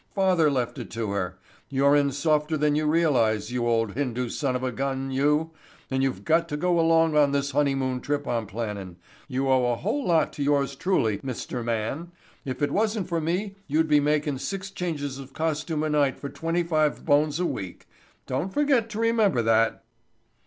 Father left it to her. You're in softer than you realize, you old Hindu son of a gun, you, and you've got to go along on this honeymoon trip I'm plannin'. You owe a whole lot to yours truly, Mister Man. If it wasn't for me you'd be makin' six changes of costume a night for twenty five bones a week. Don't forget to remember that."